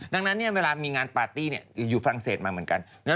ดังนั้นเวลามีงานปาร์ตี้อยู่ฝรั่งเศสมาเหมือนกัน